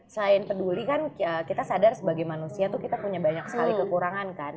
selain peduli kan kita sadar sebagai manusia tuh kita punya banyak sekali kekurangan kan